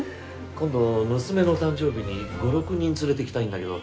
今度娘の誕生日に５６人連れてきたいんだけど。